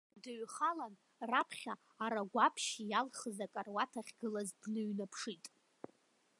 Хыхь дыҩхалан, раԥхьа арагәаԥшь иалхыз акаруаҭ ахьгылаз дныҩнаԥшит.